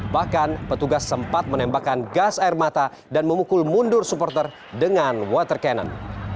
bahkan petugas sempat menembakkan gas air mata dan memukul mundur supporter dengan water cannon